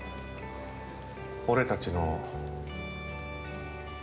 俺たちの。